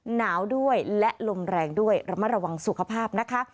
หนาวด้วยและลมแรงด้วยระมัดระวังสุขภาพนะคะ